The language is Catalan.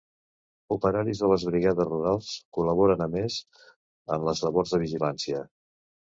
Operaris de les brigades rurals col·laboren, a més, en les labors de vigilància.